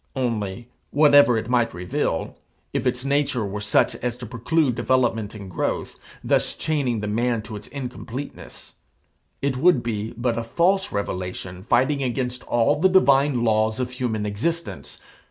Only, whatever it might reveal, if its nature were such as to preclude development and growth, thus chaining the man to its incompleteness, it would be but a false revelation fighting against all the divine laws of human existence.